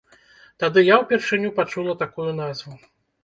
Тады я ўпершыню пачула такую назву.